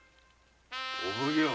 お奉行